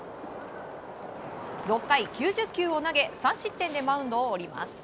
６回９０球を投げ３失点でマウンドを降ります。